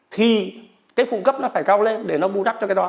thì cái phụ cấp nó phải cao lên để nó bù đắp cho cái đó